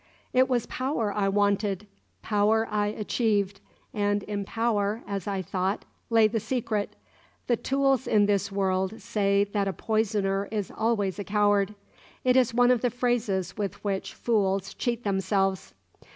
It was power I wanted; power I achieved; and in power, as I thought, lay the secret. The tools in this world say that a poisoner is always a coward: it is one of the phrases with which fools cheat themselves.